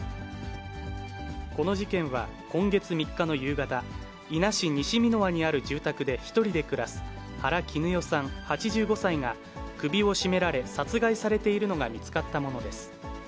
この事件は今月３日の夕方、伊那市西箕輪にある住宅で１人で暮らす、原貴努代さん８５歳が首を絞められ、殺害されているのが見つかったものです。